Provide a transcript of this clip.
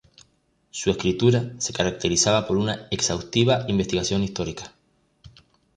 Su escritura se caracteriza por una exhaustiva investigación histórica.